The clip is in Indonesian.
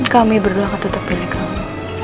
kami berdua akan tetap pilih kamu